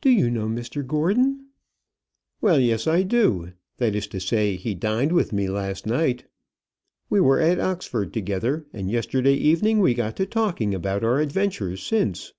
"Do you know Mr Gordon?" "Well, yes; I do. That is to say, he dined with me last night. We were at Oxford together, and yesterday evening we got talking about our adventures since."